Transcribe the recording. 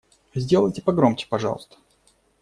Сделайте погромче, пожалуйста.